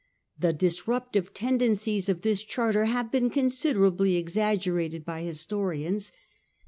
The disruptive tendencies of this charter have been considerably exaggerated by historians.